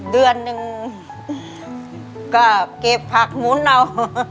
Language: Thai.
เดือนหนึ่งก็เก็บผักหมุนเอา